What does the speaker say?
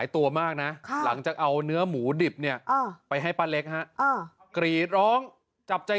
อยากกินเนื้อดิบ